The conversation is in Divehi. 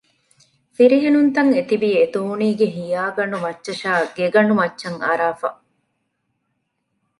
ފިރިހެނުންތައް އެތިބީ އެދޯނީގެ ހިޔާގަނޑު މައްޗަށާއި ގެގަނޑުމައްޗަށް އަރާފަ